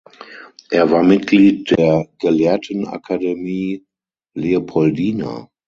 Er war Mitglied der Gelehrtenakademie Leopoldina.